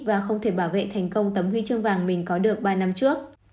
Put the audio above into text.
và không thể bảo vệ thành công tấm huy chương vàng mình có được ba năm trước